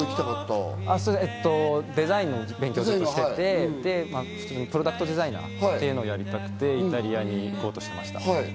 もともとデザインの勉強をしていて、プロダクトデザイナーをやりたくてイタリアに行こうとしてました。